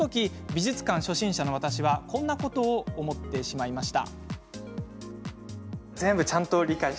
美術館初心者の私はこんなことを思ってしまいます。